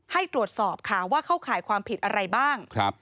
ให้ตรวจสอบค่ะว่าเข้าข่ายความผิดอะไรบ้าง